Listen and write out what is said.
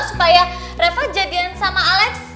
supaya revo jadian sama alex